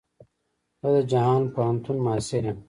زه د جهان پوهنتون محصل يم.